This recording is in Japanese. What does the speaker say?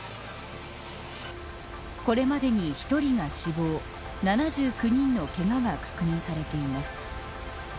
これまでに１人が死亡７９人のけがが確認されています。